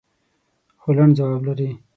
خو لنډ ځواب لري.